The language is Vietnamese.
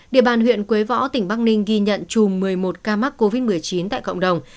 địa bàn huyện quế võ tỉnh bắc ninh ghi nhận chùm một mươi một ca mắc covid một mươi chín tại cộng đồng